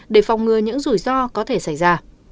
để phòng ngừa những rủi ro có thể xảy ra